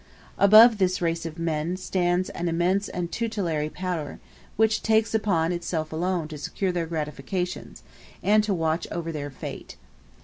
Above this race of men stands an immense and tutelary power, which takes upon itself alone to secure their gratifications, and to watch over their fate.